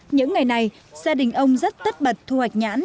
những ngày này gia đình ông rất tất bật thu hoạch nhãn